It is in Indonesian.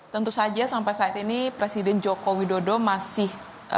tentu saja sampai saat ini presiden joko widodo masih